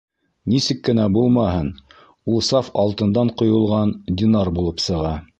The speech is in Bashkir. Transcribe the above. Нисек кенә булмаһын, ул саф алтындан ҡойолған динар булып сыға.